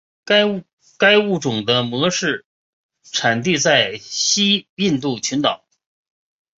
该物种的模式产地在西印度群岛。